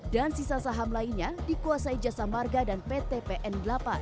dan sisa saham lainnya dikuasai jasa marga dan pt pn delapan